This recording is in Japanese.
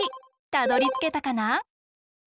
たどりつけたかな？